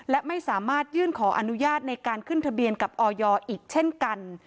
และไม่สามารถยื่นขออนุญาตในการขึ้นทะเบียนกับออยอีกเช่นกัน